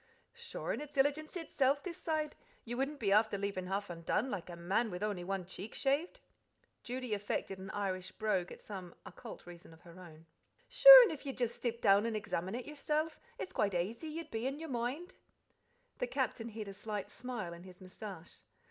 "Sure, an' it's illigence itsilf this side: you wouldn't be afther leaving half undone, like a man with only one cheek shaved." Judy affected an Irish brogue at intervals, for some occult reason of her own. "Sure an' if ye'd jist stip down and examine it yirself, it's quite aisy ye'd be in yer moind." The Captain hid a slight smile in his moustache.